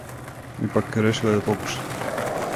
Ипак, решила је да покуша.